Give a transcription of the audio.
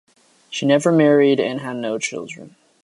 She never married and had no children.